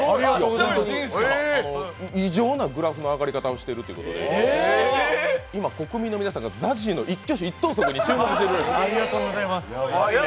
異常なグラフの上がり方をしているということで、今、国民の皆さんがＺＡＺＹの一挙手一投足に注目している。